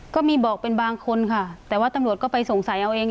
ก็มีบอกเป็นบางคนค่ะแต่ว่าตำรวจก็ไปสงสัยเอาเอง